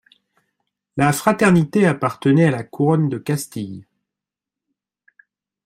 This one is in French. La fraternité appartenait à la Couronne de Castille.